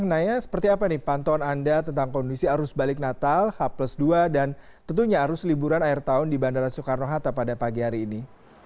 naya seperti apa nih pantauan anda tentang kondisi arus balik natal h plus dua dan tentunya arus liburan akhir tahun di bandara soekarno hatta pada pagi hari ini